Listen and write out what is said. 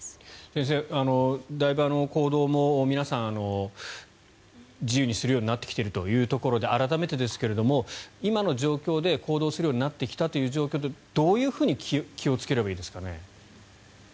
先生、だいぶ行動も皆さん自由にするようになってきているというところで改めてですが今の状況で行動するようになってきたという状況でどういうふうに気をつければいいですかね。